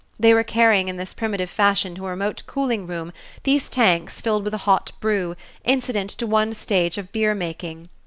They were carrying in this primitive fashion to a remote cooling room these tanks filled with a hot brew incident to one stage of beer making.